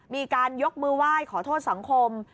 มีการยกมือไหว้ขอโทษสังคม